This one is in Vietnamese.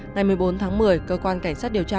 ngày một mươi bốn tháng một mươi cơ quan cảnh sát điều tra